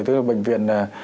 tức là bệnh viện